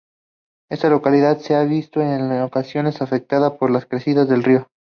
Esta localidad se ha visto en ocasiones afectada por las crecidas del río.